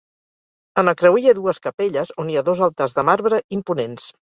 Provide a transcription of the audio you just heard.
En el creuer hi ha dues capelles, on hi ha dos altars de marbre imponents.